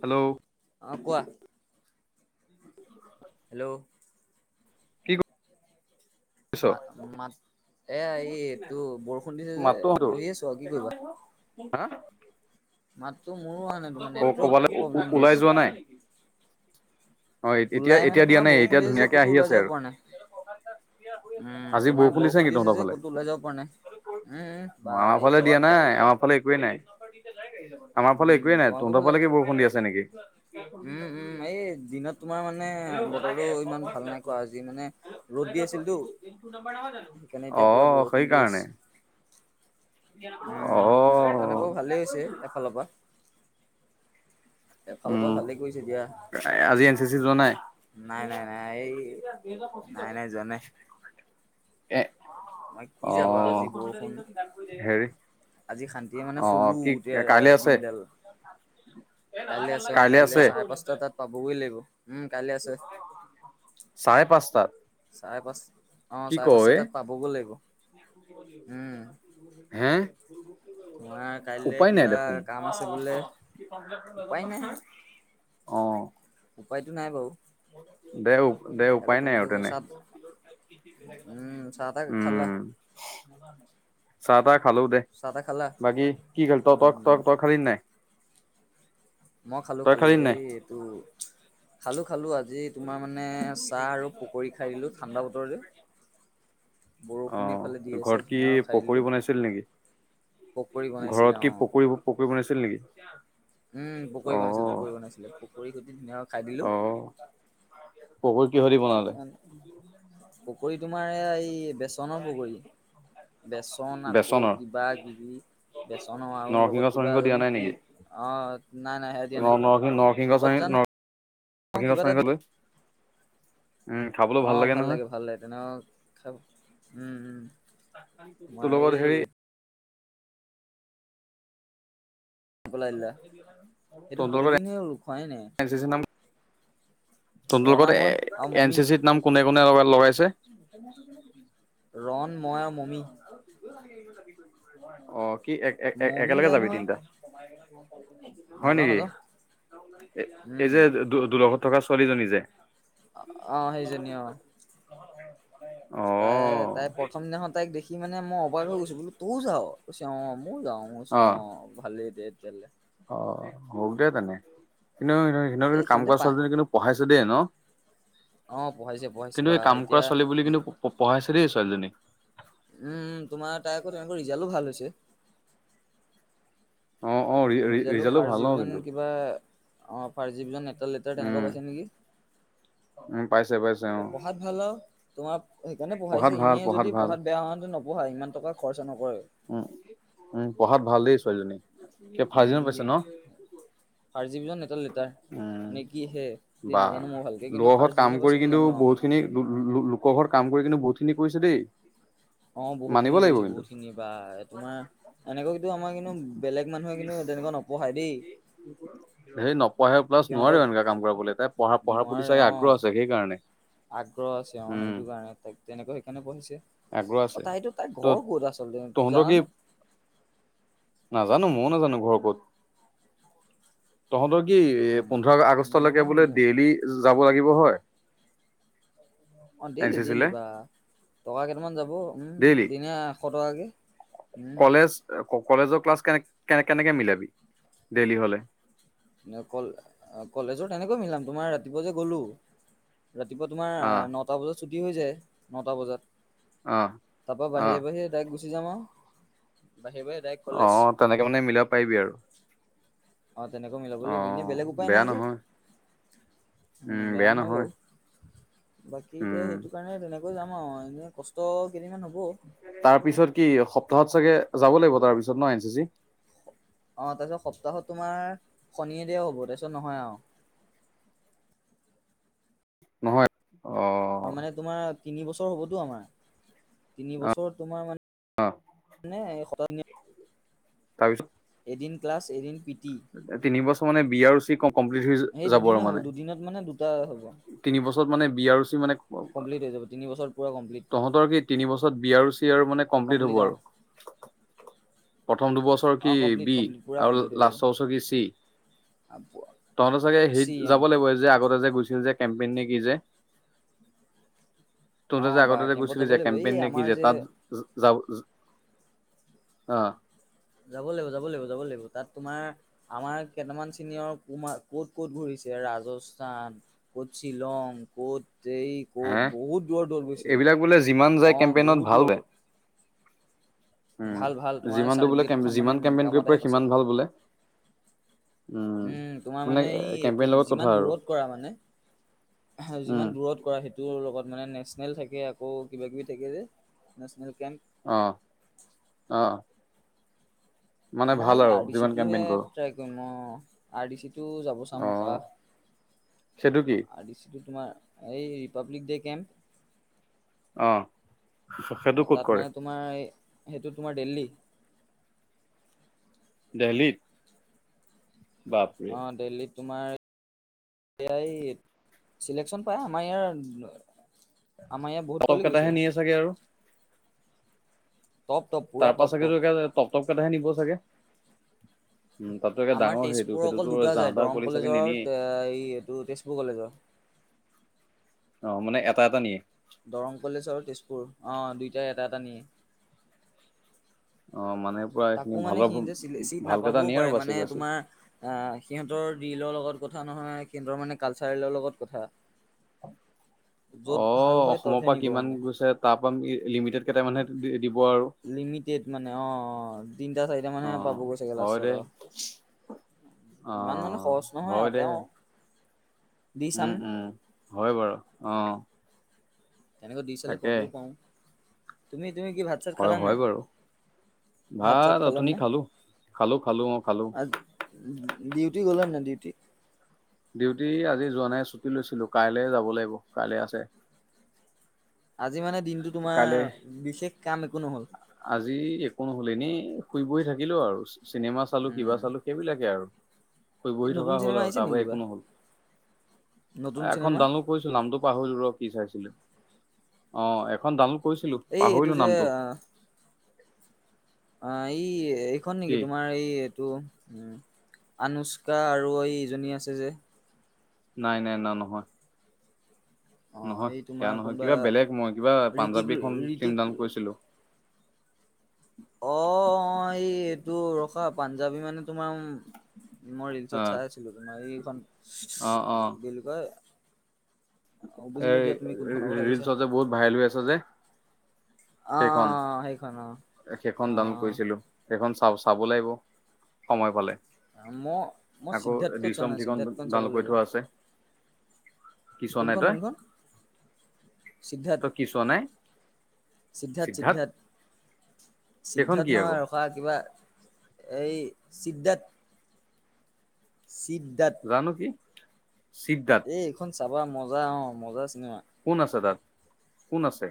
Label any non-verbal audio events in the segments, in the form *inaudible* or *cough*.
Hello. অঁ কোৱা, hello. কি ক মা মাত এ এই এইটো বৰষুণ দিছে যে বহি আছোঁ আৰু কি কৰিবা হা? মাততো মোৰো আহা নাই তোমাৰ অ নেটৱৰ্ক ক'বালে কি প্ৰব্লেম দি ওলাই আছে। যোৱা নাই? অ এতিয়া ওলাই এতিয়া মানে দিয়া তোমাৰ নাই এতিয়া বৰষুণ দিছে যে ধুনীয়াকে আহি ক'তো ওলাই আছে আৰু যাব পৰা নাই। উম আজি তোমাৰ দিছে বৰষুণ নেকি দি আছে তহঁতৰ যে ফালে? ক'তো ওলাই যাব পৰা নাই। উম উম বা আমাৰ এই ফালে দিয়া দবা পিটা। নাই আমাৰ ফালে একোৱেই নাই। আমাৰ ফালে একোৱেই উম নাই তোমালোকৰ তহঁতৰ ফালে, কি বৰষুণ দি আছে নেকি? উম উম এই দিনত ত মানে বতৰটো ইমান ভাল নাই কৰা আজি মানে ৰ'দ দি আছিলতো। সেইকাৰণে এতিয়া অ পুৰা বৰষুণ সেই দি আছে কাৰণে। অ। ফালৰ পৰা এফালৰ পৰা ভালেই কৰিছে দিয়া নাই আজি চি যোৱা নাই? নাই নাই নাই এই নাই নাই যোৱা নাই এ তোমাৰ কি অ যাবা আজি বৰষুণ হেৰি আজি শান্তিয়ে মানে অ শুলো কি গোটেই কাইলে আছে? দিনডাল কালিলে আছে অ কালিলে চাৰে পাঁচটাত তাত পাবই লাগিব, উম কালিলে আছে চাৰে পাঁচটাত? চাৰে পাঁচ -অ কি ক চাৰে পাঁচটাত বে? তাত পাবগৈ লাগিব। উম হে। তোমাৰ কাইলৈ উপায় নাই কিবা দেখোন কাম আছে বোলে উপায় অহ। উপায়টো নাই বাৰু। দে দেহ উপায় নাই তেনে। চাত উম চাহ তাহ খালা? উম চাহ তাহ খালো দে, চাহ তাহ খালা বাকি কি *unintelligible* তই উম তই খালি নে নাই। মই খালোঁ তই খালোঁ খালি নাই এই এইটো খালো খালো আজি তোমাৰ মানে চাহ আৰু পকৰী খাই দিলো ঠাণ্ডা বতৰ যে অ বৰষুণ এইফালে দি আছে ঘৰত কি ধুনীয়াকৈ খাই দিলো। পকৰী বনাইছিল নেকি? পকৰী বনাইছিলে ঘৰত অ কি পকৰী - পকৰী বনাইছিল নেকি? উম পকৰি অ। বনাইছিলো পকী বনাইছিলে পকী সুটি ধুনীয়াকৈ খাই দিলো। পকৰি কিহেদি আজি বনালে। মানে উম *unintelligible* পকৰী তোমাৰ এই এই বেচনৰ পকৰী। বেচন আকৌ বেচনৰ? কিবা কিবি বেচনৰ আৰু নৰসিংহ লগত কিবা চৰসিংহ দিয়া জানো নাই নেকি? কি অ নাই নাই সেয়া দিয়া ন নাই নৰসিংহ নৰসিংহ লগত চাৰ জানো অ নৰসিংহ কিবা এটা চৰসিংহ লৈ। উম, খাবলৈ অঁ ভাল নহয়, লাগে, ভাল লাগে, তেনেক খাই উ'ম, উ'ম। তোমাৰ তোৰ লগত হেৰি এই পেলাই দিলা সেইটো তহণ্ডৰ বহুত লগত, দিন হ'ল খোৱাই নাই এন চি চি নাম। টোহণ্ডৰ ৰণা লগত মই আৰু এ এন মমি চি চিত নাম কোনে কোনে লগা - লগাইছে। ৰণ, মই আৰু মমি। অ কি এক এক মমিও একেলগে যায় যাবি নহয় তিনিটা। হয় নাযাওঁ নেকি? নাযাওঁ এই উম যে দুু দো লগত থকা ছোৱালীজনী যে। অ সেইজনী অ। অ হয়। তাই তাই প্ৰথম দিনাখন তাইক দেখি মানে মই অবাক হৈ গৈছো বোলো তইও যাও ত অঁ মই যাওঁ। মই কৈছোঁ অ' অঁ ভালেই দে তেতিয়াহলে। অ হওক দে তেনে, কিন্তু সিহত এই কাম সিহঁতে কৰা পাই ছোৱালীজনী কিন্তু পঢ়াইছে দেই ন। অ পঢ়াইছে পঢ়াইছে কিন্তু বা এই কাম কৰা এতিয়া ছোৱালী বুলি কিন্তু পঢ়াইছে দেই ছোৱালীজনী। উম তোমাৰ তাই আকৌ তেওঁলোকৰ ৰিজাল্টো ভাল হৈছে। অ' অ' আ ৰিজাল্টটো ৰিজাল্টো ফাৰ্ষ্ট ভাল ন ডিভিজন কিন্তু কিবা। অঁ ফাইভ জি নেটেল লেটাৰ উম, তেনেকুৱা পাইছে নেকি। উম পাইছে পাইছে অঁ। হলো তোমাক সেইকাৰণে পঢ়াইছে ভাল এনেই যদি ভাল পঢ়াত বেয়া হন্ততে নপঢ়া ইমান টকা খৰচা নকৰে। উম, উম পঢ়াত ভাল দেই ছোৱালীজনী। কে ফাৰ্ষ্ট দিনত পাইছে উম ন ফাৰ্ষ্ট ডিভিজন এটাল লেটাৰ। উম নেকি হে বা দ নাজানো মই ভালকে কিন্তু ফাৰ্ষ্ট ডিভিজন পাইছে বুলি জানো আও। খিন লোক ঘৰ কাম কৰি কিন্তু বহুত খিনি কৰিছে দেই। অ বহুত মানিব খিনি লাগিব কৰিছে কিন্তু বহুত খিনি বা তোমাৰ। এনেকুৱা কিন্তু আমাৰ কিন্তু বেলেগ মানুহে কিন্তু তেনেকুৱা নপঢ়ায় দেই। সেই নপঢ়া প্লাছ নোৱাৰো সিহঁতক এনেকুৱা কাম কৰালৈ তাই পঢ় পঢ়াৰ প্ৰতি নোৱাৰে চাই অ আগ্ৰহ আছে সেইকাৰণে। আগ্ৰহ আছে অঁ উম সেইটো কাৰণে তাইক তেনেকৈ সেইকাৰণে পঢ়িছে। আগ্ৰহ অ আছে তাইটো তাই ত ঘৰ ক'ত আচলতে তহঁতৰ কি জানো। নাজানো ময়ো নাজানো ঘৰ ক'ত। তহঁতৰ কি এ পোন্ধৰ উম আগষ্টলৈকে বোলে ন দেইলী যাব লাগিব হয়। অঁ N daily C C daily লে বা টকা কেইটামান যাব উম ডেইলি দিনে এশ টকাকে। উম কলেজ কলেজৰ ক্লাছ কেনে কেনে কেনেকে মিলাবি ডেইলি হলে। কলেজৰ তেনেকৈ মিলাম তোমাৰ ৰাতিপুৱা যে গ'লো। ৰাতিপুৱা তোমাৰ অ নটা বজাত ছুটী হৈ যায় নটা বজাত। অ তাৰপা অ বাহিৰে বাহিৰে ডাইক গুচি যাম আউ বাহিৰে বাহিৰে। ডাইৰেক্ট কলেজ অঁ তেনেকে মানে মিলাব পাৰিবি আৰু। অঁ তেনেকৈ মিলাব অ লাগিব এনে বেলেগ উপায় বেয়া নাই যে। নহয় বেয়া নহয় বাউ বাকী এতিয়া উম সেইটো কাৰণে তেনেক- যাম আও এনে কষ্ট কেইদিনমান নকৰোঁ। তাৰ পিছত কি সপ্তাহত চাগে যাব লাগিব তাৰ পিছত ন এন চি চি। অঁ তাৰপিছত সপ্তাহত তোমাৰ শনিয়ে দিঅ হ'ব তাৰপিছত নহয় আও। নহয়। অ'হ। মানে তোমাৰ তিনি বছৰ হবতো আমাৰ, তিনি বছৰ তোমাৰ মানে- অঁ। নে এই শত- তাৰপিছত- এদিন ক্লাছ এদিন পি টি- তিন বছৰ মানে বিয়া ৰু চি কম- কম্লিট- এই দুদিনে হ'ব দুদিনত মানে দুটা হ'ব। তিন বছৰত মানে বি আৰ চি মানে কমপ্লিট হৈ যাব তিনি বছৰ পুৰা কমপ্লিট তহঁতৰ কি তিনিবছৰত বি আৰ ৰো চি আৰু মানে- কম্পিলত হব কমপ্লিট অ আৰু। প্ৰথম দুবছৰ অ কি কমপ্লিট বি কমপ্লিট পুৰা আৰু কমপ্লিট হৈ যাব লাছ- চি তহঁতৰ চাগে হেইট চি অ যাব লাগিব। কৈ যে আগতে যে গৈছিল যে কেম্পেইন নে কি যে। অ তহঁতে যে বা আগতে যে কেম্পত কৈছিলি যাব যে লাগিব এই কেম্পেইন নে কি আমাৰ যে তাত। যাব অঁ যাব লাগিব যাব লাগিব যাব লাগিব তাত তোমাৰ- আমাৰ কেইটামান চিনিয়ৰ কুমাত ক'ত ক'ত ঘূৰিছে ৰাজস্থান। কত শ্বিলং কত যে এই - হে ক'ত বহুত দূৰত- দূৰত গৈছে, এইবিলাক বোলে যিমান যায় অ', কেম্পেইনত বহুত ভাল দূৰত- বোলে দূৰত উম, ভাল তোমাৰ যিমান দূৰ বোলে চাৰ্টিফিকেট কেইখন মানে যিমান কেম্পেইন কামত কৰিব আহে পাৰি পাছত সিমান ভাল বোলে। উম, তোমাৰ মানে এই কেম্পেইন এইটো লগত কথা যিমান আৰু দূৰত কৰা মানে। *unintelligible* উম যিমান দূৰত কৰা সেইটোৰ লগত মানে নেশ্যনেল থাকে আকৌ কিবাাকিবি থাকে যে নেশ্যনেল কেম্প। অ', অ'। মানে মই ভাল এই আৰু আৰ বি চি যিমান টোহে কেম্পেইন কৰো ট্ৰাই কৰিম অ'। আৰ ডি চি টো যাব অ চাম ৰখা, সেইটো কি আৰ ডি চি টো তোমাৰ এই ৰিপাব্লিক ডে' কেম্প। অ'। সেইটো ক'ত তাত কৰে মানে তোমাৰ এই সেইটো তোমাৰ দেল্লী দেল্লীত? অ', দেল্লীত তোমাৰ এইট চিলেকশচন পৰা আমাৰ ইয়াৰ আমাৰ ইয়াৰ বহুত কাটফ পোৱালি গৈছে কেইটাহে নিয়ে চাগে আৰু? টপ-টপ তাৰপা চাগে টো একে টপ-টপ কেইটাহে নিব চাগে? উম তাতো একে আমাৰ ডাঙৰ হেৰিটো, তেজপুৰৰ অকল সেইটোতো দুটা যাহ যায় তাহ দৰং পোৱালি চাগে কলেজৰ আৰু নিনিয়েই? তে- এই এইটো তেজপুৰ কলেজৰ অ', মানে এটা-এটা নিয়ে? দৰং কলেজ আৰু তেজপুৰ। অ', দুইটাই এটা-এটা নিয়ে। অ', মানে পুৰা তাকো এইখিনি মানে ভালৰ সিহতে চি চিট ভাল কেইটা নাপাবও নিয়ে আৰু পাৰে, বাচি মানে বাচি তোমাৰ আহ সিহঁতৰ দৰিলৰ লগত কথা নহয় সিহঁতৰ মানে কালচাৰেলৰ লগত কথা। অ', য'ত ভাল হয় অসমৰ ততহে পৰা নিব কিমান মানে গৈছে তাৰপামকি লিমিটেড কেইটামানহে দিব আৰু? লিমিটেড মানে অ', অ', তিনিটা চাৰিটা মানহে অ', পাবগৈ চাগে হয় দে লাষ্টৰ আৰু। ইমান মানে অ', সহজ নহয় আৰু *unintelligible* দি চাম উম-উম, হয় বাৰু অ'। তেনেকৈ দি চালে তাকে ক'বও পাৰোঁ। তুমি-তুমি কি ভাত চাত খালা হয়-হয় নাই বাৰু। চাত ভাত খালা অথনী নাই খালোঁ, খালোঁ-খালোঁ অ', খালোঁ। ডিউটি গলানে নাই ডিউটি? ডিউটি আজি যোৱা নাই ছুটি লৈছিলোঁ, কাইলে যাব লাগিব, কাইলে আছে। আজি মানে দিনটো কাইলে তোমাৰ বিশেষ কাম একো নহল? আজি একো নহল, এনে শুই বহি থাকিলোঁ আৰু। চিনেমা চালোঁ উম কিবা চালোঁ সেইবিলাকে আৰু। শুই বহি নতুন থকা হ'ল চিনেমা আৰু আহিছে তাৰ নেকি বাহিৰে একো কিবা নহল, নতুন এখন চিনেমা ডাউনলোড কৰিছ নামটো পাহৰিলোঁ ৰ কি চাইছিলে। অ', এখন ডাউনলোড কৰিছিলোঁ, এই এইটো পাহৰিলোঁ যে নামটো। অ', ই এইখন নেকি? কি তোমাৰ এই এইটো, উম। আনুষকা আৰু এই ইজনী আছে যে? নাই-নাই ন নহয়। অ নহয় এই সেয়া তোমাৰ নহয়। কোনোবা কিবা বেলেগ মই কিবা ঋতিক পাঞ্জাবীখন ফিল্ম ঋতিক ডাউনলোড কৰিছিলোঁ। অ', অ', অ', এই এইটো ৰখা পাঞ্জাবী মানে তোমাৰ মই অ ৰিলচত চাই আছিলোঁ তোমাৰ এইখন, অ কি বুলি কয়? অ, এ বুজিলো দিয়া তুমি কোনখনৰ কথা কৈছা ৰিলচত যে বহুত ভাইৰেল হৈ আছে যে? অ অ সেইখন, সেইখন অ সেইখন অ ডাউনলোড কৰিছিলোঁ। সেইখন চাব-চাব লাগিব, সময় পালে। মই মই আকৌ সিদ্ধাৰ্থ খন চোৱা দিচম নাই থ্ৰী খন সিদ্ধাৰ্থ চাব ডাউনলোড কৰি লাগিব থোৱা আছে। কি চোৱা কোন নাই তই খন-কোন খন? তই কি চোৱা চিদ্ধাৰ্থ, নাই সিদ্ধাৰ্থ চিদ্ধাৰ্থ-চিদ্ধাৰ্থ। সেইখন কি চিদ্ধাৰ্থ আকৌ নহয় ৰখা কিবা এই চিদ্যাত। চিদাত জানো কি? চিদাত। এই এইখন চাবা মজা অ মজা চিনেমা। কোন আছে তাত? কোন আছে?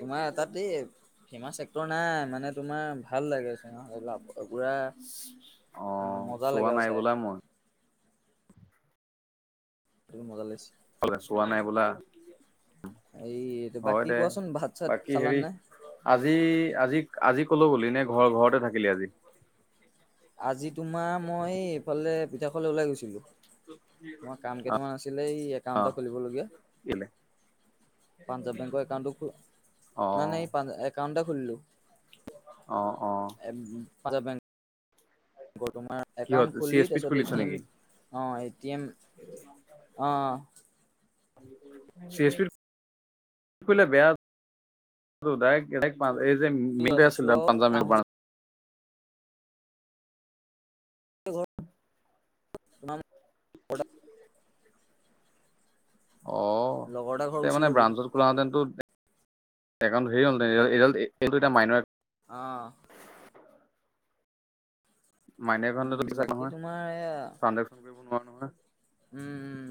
তোমাৰ এ তাত এই ফেমাচ এক্টৰ নাই। মানে তোমাৰ ভাল লাগে চিনেমা *unintelligible* পুৰা অ মজা চোৱা লাগে আৰু নাই চাই। বোলা মই মজা লাগিছে। *unintelligible* চোৱা নাই বোলা। এই হয় বাকী দে কোৱাচোন ভাত-চাত বাকী খালা নে হেৰি নাই? আজি আজি আজি ক'লৈ গলি? নে ঘৰৰ ঘৰতে থাকিলি আজি? আজি তোমাৰ মই এইফালে পিঠা খাবলে ওলাই গৈছিলো। তোমাৰ কাম কেইটামান আছিলে এই অ একাউণ্ট এটা খুলিবলগীয়া। কেলে পাঞ্জাৱ বেংকৰ একাউণ্টটো অ খো মানে পাঞ্জাৱ একাউণ্ট এটা খুলিলো। অ, অ। এপ পাঞ্জাৱ বেংক আকৌ তোমাৰ কিহত একাউণ্ট চি খুলি এছ পিত তাৰপিছত খুলিছ এ টি এম নেকি অ এ টি এম চি অ', এছ পিৰ কৰিলে বেয়া *unintelligible* পাঞ্জাব বেংক আহিছো আৰু আহোতে *unintelligible* *unintelligible* অ লগৰ এটা ঘৰ তে গুচি মানে গ'লো ব্ৰাঞ্চত খোলাহেঁতেনটো একাউণ্ট ধেই হ'লহেঁতেন। *unintelligible* এইটো এতিয়া মাইন অ। মাইনৰ উম, একাউণ্টটোতো *unintelligible* বাকী নহয় তোমাৰ এয়া *unintelligible* *unintelligible* উম,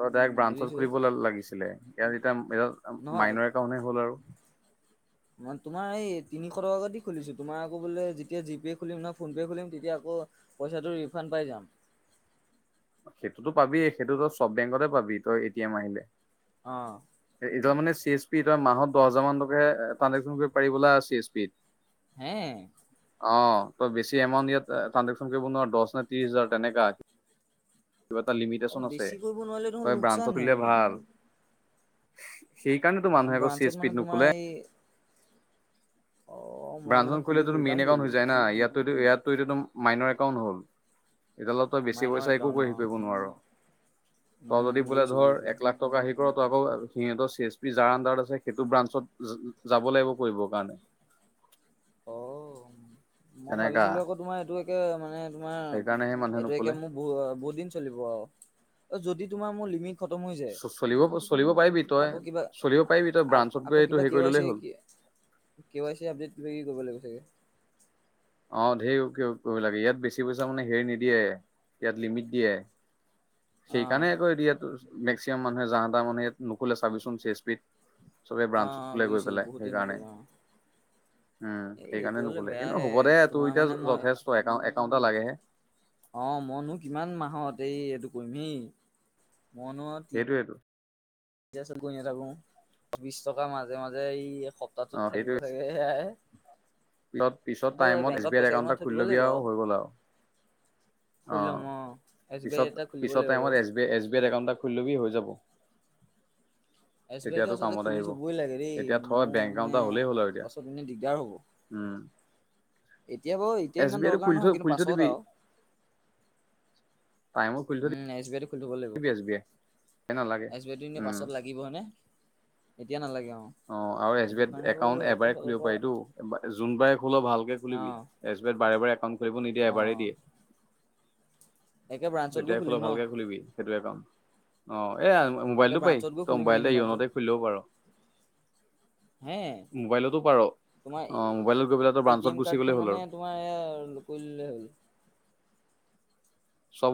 তই ডাইৰেক্ট ব্ৰাঞ্চত বুজিছো খুলিব লা লাগিছিলে। ইয়াত এতিয়া এইডাল নহয় মাইনৰ একাউণ্টহে হ'ল আৰু। মই তোমাৰ এই তিনিশ টকাদি খুলিছো। তোমাৰ আকৌ বোলে যেতিয়া জি পে' খুলিম ন ফোন পে' খুলিম তেতিয়া আকৌ পইচাটো ৰিফাণ্ড পাই যাম। সেইটোতো পাবিয়েই। সেইটো তই চব বেংকতে পাবি তই এ টি এম আহিলে। অ। এতিয়া মানে চি এছ পি এতিয়া মাহত দছ হাজাৰ মান ট্ৰানঞ্জেকচন কৰিব পাৰিব লাগে চি এছ পিত হে? অ তই বেছি এমাউণ্ট ইয়াত ট্ৰানঞ্জেকশ্যন কৰিব নোৱাৰ। দছ নে ত্ৰিছ হাজাৰ তেনেকা। কিবা এটা অ লিমিটেচন আছে। বেছি কৰিব নোৱাৰিলে দেখোন তই ব্ৰাঞ্চত লোকচানহে খুলিলে দেখোন ভাল সেইকাৰণেতো মানুহে আকৌ চি এছ ব্ৰাঞ্চত মানে পিত তোমাৰ নোখোলে। এই অ', মই মানে ‍ব্ৰাঞ্চত খুলি খুলিলেটো ভুল কাম মেইন একাউণ্ট কৰিলো হৈ যায় না। ইয়াতো ইয়াতটো এইটোতো মাইনৰ একাউণ্ট হ'ল। এইডালত তই বেছি মাইনৰ পইছা একো একাউণ্ট হেৰি অ'। কৰিব নোৱাৰ। তই উম যদি বোলে বুজিছো ধৰ বুজিছো এক লাখ টকা হেৰি কৰ' তই আকৌ সিহঁতৰ চি এছ পি যাৰ আণ্ডাৰত আছে সেইটো ব্ৰাঞ্চত যাব লাগিব কৰিবৰ কাৰণে। অ, মই তেনেকা ভাবিছিলো আকৌ তোমাৰ এইটো একে মানে তোমাৰ সেইকাৰণে সেই মানুহে এইটো নুখোলে। একে মোক ব বহুত চলিব অ, যদি তোমাৰ মোৰ লিমিট খতম হৈ যায় চলিব চলিব পাৰিবি তই আকৌ কিবা চলিব পাৰিবি তই ব্ৰাঞ্চত আকৌ গৈ এইটো কিবা হেৰি কে কৰি ৱাই চি ল'লেই হ'ল। *inaudible* কে ৱাই চি আপডেট কিবা-কিবি কৰিব লাগিব চাগে? অ ঢেই *unintelligible* কৰিব লাগে। ইয়াত বেছি পইচা মানে হেৰি নিদিয়ে। ইয়াত লিমিট দিয়ে। অ সেইকাৰণে আকৌ এতিয়া তোৰ মেক্সিমাম মানুহে যাহ তাহ মানুহে ইয়াত নুখোলে চাবিচোন চি এছ পিত। চবে অ ব্ৰাঞ্চত খোলে গৈ বুজিছো পেলাই বহুতে সেইকাৰণে। নুখোলা অ উম এই সেইটো সেইকাৰণে হলে নোখোলে, কিন্তু বেয়াহে হ'ব দে তোৰ তোমাৰ এতিয়া মানে মই যথেষ্ট এ একাউণ্ট এটা লাগেহে। অ মইনো কিমান মাহত এই এইটো কৰিম হে। মইনো সেটোৱেটো। *unintelligible* গৈ নাথাকো। বিছ টকা মাজে মাজে এই স অ তাতোত থাকিব চাগে সেয়াই তলত পিছত কিন্তু এই টাইমত এছ বেংকত বি আই পইচা একাউণ্ট কেইটামান এটা থৈ খুলি দিব লবি লাগিব আৰু হৈ গ'ল আও। অ খুলি ল'ম এছ বি আই পিছত এটা খুলিব পিছত লাগিব টাইমত বাৰু S B S B I account এটা খুলি লবি হৈ যাব। এছ বি আইতটো তেতিয়াতো আচলতে কামত খুলি আহিব থবই লাগে ৰেই এতিয়া মো থয় বেংক একাউণ্ট মানে এটা হ'লেই হ'ল আৰু এতিয়া পাছত এনে দিগদাৰ হ'ব। উম। এতিয়া বাৰু এতিয়া এছ বি ইমান আইটো দৰকাৰ খুলি থৈ নহয় কিন্তু খুলি থৈ পাছত দিবি আও। টাইমত খুলি থৈ উম এছ বি আই টো খুলি থব লাগিব, দিবি এছ বি আই নালাগে এছ বি আই টো উম পাছত লাগ- গিবনে এতিয়া নালাগে অ। অ আৰু এছ বি সেইটো আই কাৰণে বাৰু একাউণ্ট এটা এবাৰে ফালৰ খুলিব পৰা পাৰি টো যোনবাৰে খোল ভালকে অ খুলিবি। এছ বি আইত বাৰে একাউণ্ট খুলিব নিদিয়ে অ এবাৰে দিয়ে। একে ব্ৰাঞ্চত গৈ যেতিয়াই খোল খুলিম ন ভালকে খুলিবি সেইটোয়ে একাউণ্ট অ এয়া- একে মোবাইলটো পাৰি ব্ৰাঞ্চত গৈ ত খুলিম মেইন মোবাইলটে ব্ৰাঞ্চত ইয়নতে খুলিব পাৰ। হে মোবাইলতো পাৰ তোমাৰ অ মোবাইলত গৈ পেলাই ত এ টি ব্ৰাঞ্চত এম গুচি কাৰ্ডখন গ'লেই হ'ল মানে আৰু। তোমাৰ এয়া কৰলে হ'ল চব